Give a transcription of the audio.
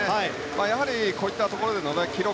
こういったところでの記録